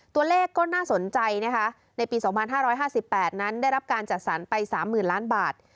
เพราะเลขก็น่าสนใจในปี๒๕๕๘ได้รับการจัดสรรไป๓๐๐๐๐ล้านบาท